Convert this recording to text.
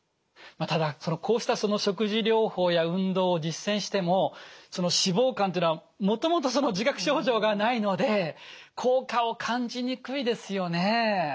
ただこうした食事療法や運動を実践してもその脂肪肝っていうのはもともとその自覚症状がないので効果を感じにくいですよね。